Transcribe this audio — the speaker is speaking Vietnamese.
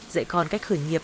dạy con cách khởi nghiệp